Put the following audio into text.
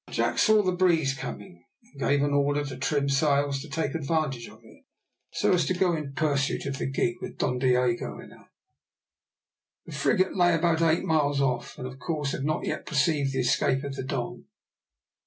Jack saw the breeze coming, and gave an order to trim sails to take advantage of it so as to go in pursuit of the gig with Don Diogo in her. The frigate lay about eight miles off and of course had not perceived the escape of the Don.